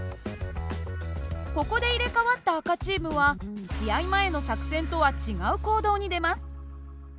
ここで入れ替わった赤チームは試合前の作戦とは違う行動に出ます。